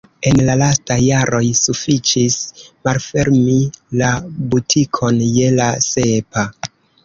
En la lastaj jaroj sufiĉis malfermi la butikon je la sepa.